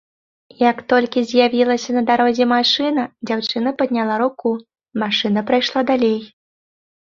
Як толькі з'явілася на дарозе машына, дзяўчына падняла руку, машына прайшла далей.